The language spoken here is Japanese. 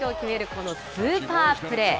このスーパープレー。